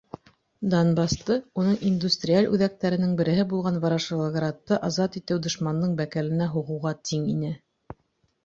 Донбассты, уның индустриаль үҙәктәренең береһе булған Ворошиловградты азат итеү дошмандың бәкәленә һуғыуға тиң ине.